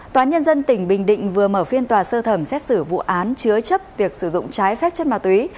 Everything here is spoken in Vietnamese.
tòa án nhân dân tỉnh bình định vừa mở phiên tòa sơ thẩm xét xử vụ án chứa chấp việc sử dụng trái phép chất ma túy